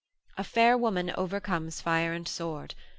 A fair woman overcomes fire and sword.